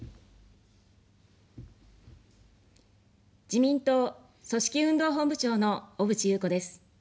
自民党組織運動本部長の小渕優子です。